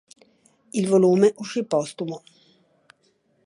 Il volume uscì postumo.